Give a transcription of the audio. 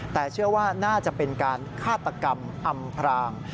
แต่เชื่อว่าน่าจะเป็นการฆาตกรรมอำพราง